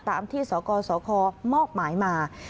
ตามที่สกสคมอบหมายมา